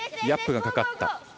ヤップがかかった。